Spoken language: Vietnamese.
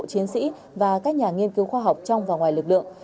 chiến sĩ và các nhà nghiên cứu khoa học trong và ngoài lực lượng